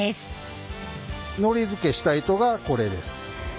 のりづけした糸がこれです。